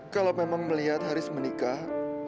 kalau memang melihat haris menikah